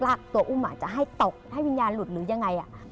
ตัวอุ้มอาจจะให้ตกให้วิญญาณหลุดหรือยังไง